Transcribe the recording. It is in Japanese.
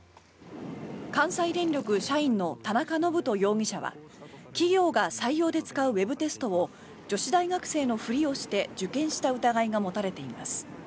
関西電力社員の田中信人容疑者は企業が採用で使うウェブテストを女子大学生のふりをして受験した疑いが持たれています。